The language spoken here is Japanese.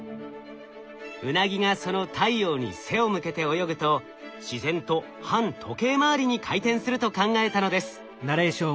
ウナギがその太陽に背を向けて泳ぐと自然と反時計回りに回転すると考えたのです。